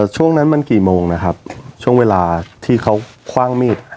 ช่วงนั้นมันกี่โมงนะครับช่วงเวลาที่เขาคว่างมีด